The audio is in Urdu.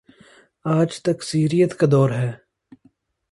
آج تکثیریت کا دور ہے۔